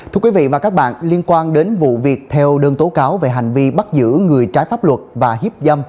thưa quý vị và các bạn liên quan đến vụ việc theo đơn tố cáo về hành vi bắt giữ người trái pháp luật và hiếp dâm